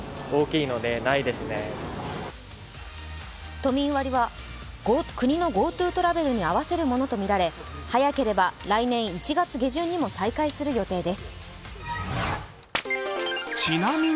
都民割は国のＧｏＴｏトラベルに合わせるものとみられ早ければ来年１月下旬にも再開する予定です。